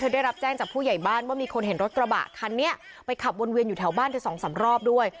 ได้รับแจ้งจากผู้ใหญ่บ้านว่ามีคนเห็นรถกระบะคันนี้ไปขับวนเวียนอยู่แถวบ้านเธอสองสามรอบด้วย